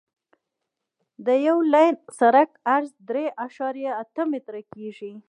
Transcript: د یو لاین سرک عرض درې اعشاریه اته متره کیږي